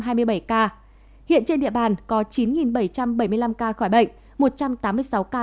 hiện trên địa bàn có chín bảy trăm bảy mươi năm ca khỏi bệnh một trăm tám mươi sáu ca